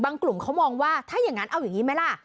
กลุ่มเขามองว่าถ้าอย่างนั้นเอาอย่างนี้ไหมล่ะ